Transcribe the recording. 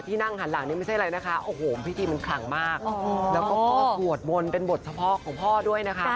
ที่นั่งหันหลังนี่ไม่ใช่ไรนะคะโอ้โหพี่ทีมมันผลักมาก